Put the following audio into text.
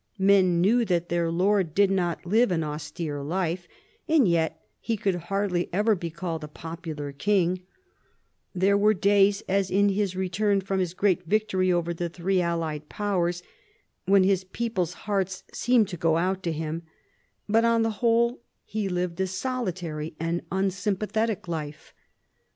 Men knew that their lord did not live an austere life, and yet he could hardly ever be called a popular king. There were days, as on his return from his great victory over the three allied Powers, and when he took his ill used wife again to his side, when his people's hearts seemed to go out to him. But on the whole he lived a solitary and unsympathetic life.